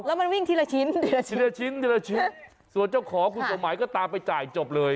แล้วมันวิ่งทีละชิ้นทีละชิ้นทีละชิ้นส่วนเจ้าของคุณสมหมายก็ตามไปจ่ายจบเลย